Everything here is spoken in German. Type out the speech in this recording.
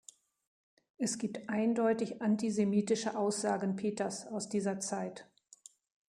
Es gibt eindeutig antisemitische Aussagen Peters aus dieser Zeit.